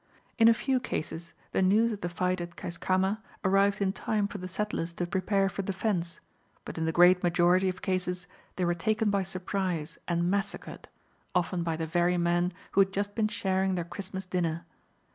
In a few cases the news of the fight at Keiskamma arrived in time for the settlers to prepare for defence, but in the great majority of cases they were taken by surprise and massacred, often by the very men who had just been sharing their Christmas dinner.